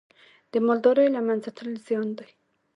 د مالدارۍ له منځه تلل زیان دی.